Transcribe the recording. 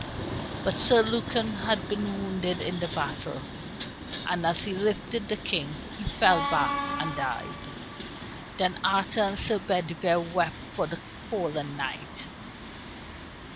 But Sir Lucan had been wounded in the battle, and as he lifted the King he fell back and died. Then Arthur and Sir Bedivere wept for the fallen knight.